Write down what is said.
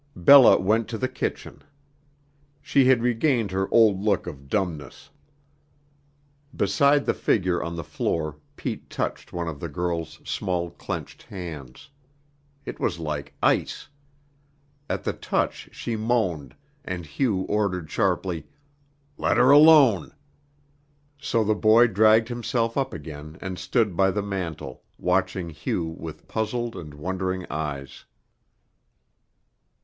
Bella went to the kitchen. She had regained her old look of dumbness. Beside the figure on the floor Pete touched one of the girl's small clenched hands. It was like ice. At the touch she moaned, and Hugh ordered sharply: "Let her alone." So the boy dragged himself up again and stood by the mantel, watching Hugh with puzzled and wondering eyes.